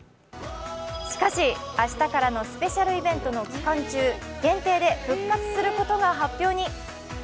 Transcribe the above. しかし、明日からのスペシャルイベントの期間中、限定で復活することが発表に！